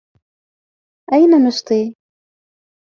أين مشطي ؟